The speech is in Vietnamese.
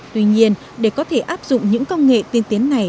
tuy nhiên để có thể áp dụng những công nghệ tiên tiến này